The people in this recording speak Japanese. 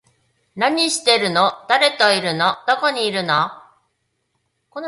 何してるの？誰といるの？どこにいるの？